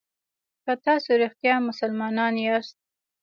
که تاسو رښتیا مسلمانان یاست.